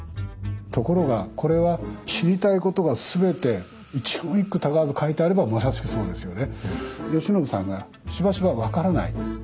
ところがこれは知りたいことがすべて一言一句たがわず書いてあればまさしくそうですよね。